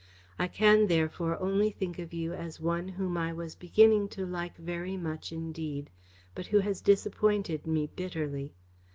I can, therefore, only think of you as one whom I was beginning to like very much indeed, but who has disappointed me bitterly.